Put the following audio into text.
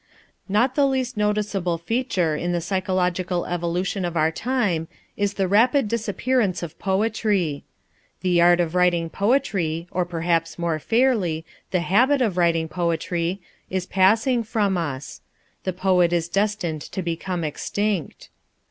Not the least noticeable feature in the psychological evolution of our time is the rapid disappearance of poetry. The art of writing poetry, or perhaps more fairly, the habit of writing poetry, is passing from us. The poet is destined to become extinct.